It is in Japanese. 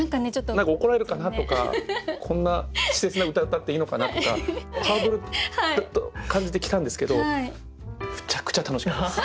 何か「怒られるかな？」とか「こんな稚拙な歌詠っていいのかな？」とかハードル感じて来たんですけどむちゃくちゃ楽しかったです。